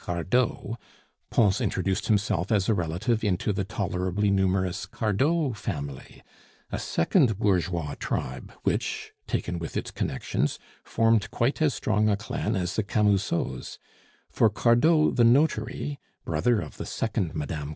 Cardot, Pons introduced himself as a relative into the tolerably numerous Cardot family, a second bourgeois tribe which, taken with its connections, formed quite as strong a clan as the Camusots; for Cardot the notary (brother of the second Mme.